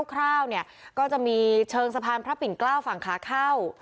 คร่าวเนี่ยก็จะมีเชิงสะพานพระปิ่นเกล้าฝั่งขาเข้า